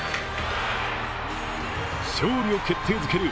勝利を決定づける